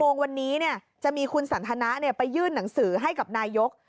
๑๐โมงวันนี้เนี่ยจะมีคุณสันธนะเนี่ยไปยื่นหนังสือให้กับนายก